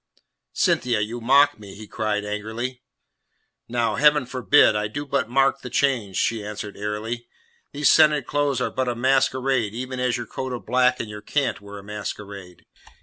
"Cynthia, you mock me," he cried angrily. "Now, Heaven forbid! I do but mark the change," she answered airily. "These scented clothes are but a masquerade, even as your coat of black and your cant were a masquerade.